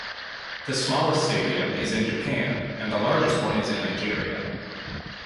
The smallest stadium is in Japan, and the largest one is in Nigeria.